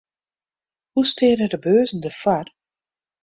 Hoe steane de beurzen derfoar?